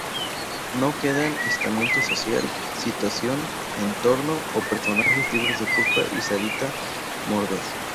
No quedan estamento social, situación, entorno o personajes libres de culpa y sátira mordaz.